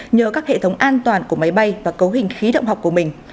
nhờ các hệ thống an toàn của máy bay và cấu hình khí động học của mình